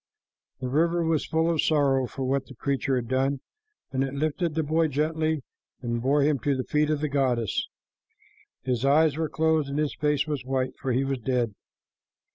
The river was full of sorrow for what the creature had done, and it lifted the boy gently and bore him to the feet of the goddess. His eyes were closed and his face was white, for he was dead.